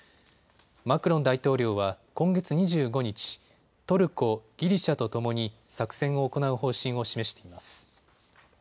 マクロン大統領は今月２５日、トルコ、ギリシャとともに作戦を行う方針を示しています。